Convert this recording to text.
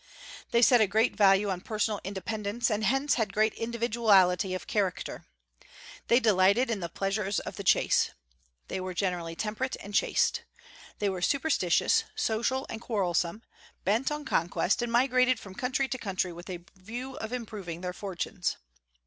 They set a great value on personal independence, and hence had great individuality of character. They delighted in the pleasures of the chase. They were generally temperate and chaste. They were superstitious, social, and quarrelsome, bent on conquest, and migrated from country to country with a view of improving their fortunes.